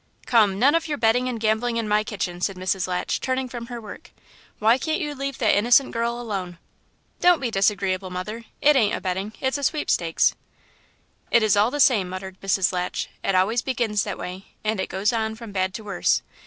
"Come, none of your betting and gambling in my kitchen," said Mrs. Latch, turning from her work. "Why can't you leave that innocent girl alone?" "Don't be that disagreeable, mother; it ain't betting, it's a sweepstakes." "It is all the same," muttered Mrs. Latch; "it always begins that way, and it goes on from bad to worse.